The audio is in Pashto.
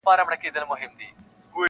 • هغه وخت چي دی د مرګ په رنځ رنځور سو -